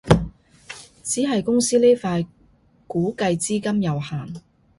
只係公司呢塊估計資金有限